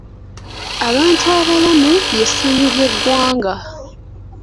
Abantu abalamu ly'essanyu ly'eggwanga.